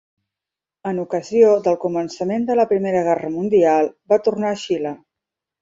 En ocasió del començament de la Primera Guerra Mundial va tornar a Xile.